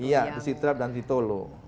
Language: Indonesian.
iya di sidrap dan di tolo